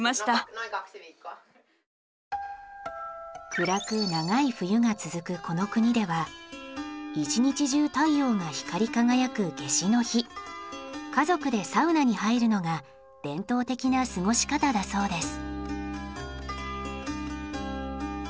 暗く長い冬が続くこの国では一日中太陽が光り輝く夏至の日家族でサウナに入るのが伝統的な過ごし方だそうです。